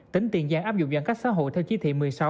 tỉnh tiền giang áp dụng giãn cách xã hội theo chí thị một mươi sáu